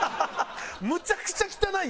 むちゃくちゃ汚いやん！